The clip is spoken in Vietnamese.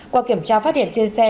qua kiểm tra phát hiện trên xe